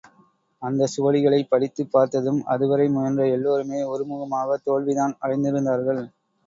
அந்தச் சுவடிகளைப் படித்துப் பார்த்தும் அதுவரை முயன்ற எல்லாருமே ஒருமுகமாகத் தோல்விதான் அடைந்திருந்தார்கள்.